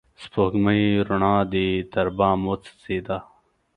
سپوږمۍ روڼا دي تر بام وڅڅيده